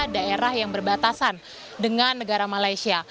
daerah yang berbatasan dengan negara malaysia